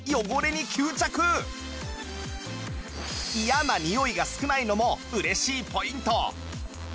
嫌なにおいが少ないのも嬉しいポイント